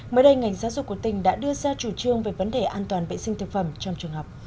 mới đây ngành giáo dục của tỉnh đã đưa ra chủ trương về vấn đề an toàn vệ sinh thực phẩm trong trường học